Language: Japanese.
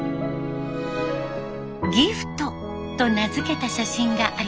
「ギフト」と名付けた写真があります。